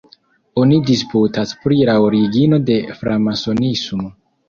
Oni disputas pri la origino de Framasonismo.